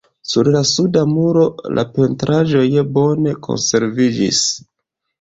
Sur la suda muro la pentraĵoj bone konserviĝis.